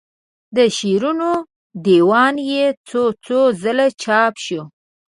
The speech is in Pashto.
د شعرونو دیوان یې څو څو ځله چاپ شوی.